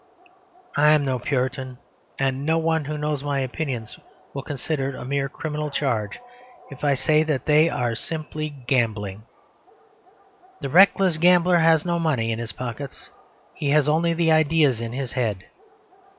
I am no Puritan, and no one who knows my opinions will consider it a mere criminal charge if I say that they are simply gambling. The reckless gambler has no money in his pockets; he has only the ideas in his head.